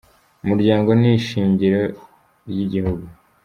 Umuryango ni ishingiro nr'igihugu.